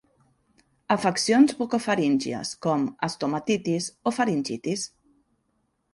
Afeccions bucofaríngies com: estomatitis o faringitis.